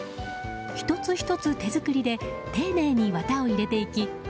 １つ１つ手作りで丁寧に綿を入れていき